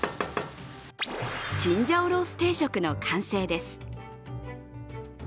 チンジャオロース定食の完成です。